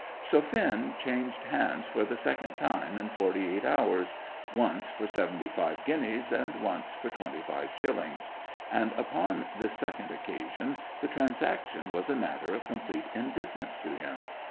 So Finn changed hands for the second time in forty eight hours, once for seventy five guineas, and once for twenty five shillings; and upon this second occasion the transaction was a matter of complete indifference to him.